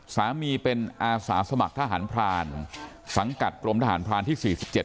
สามีเป็นอาสาสมัครทหารพรานสังกัดกรมทหารพรานที่๔๗